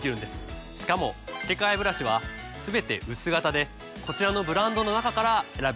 しかも付け替えブラシはすべて薄型でこちらのブランドの中から選べますよ。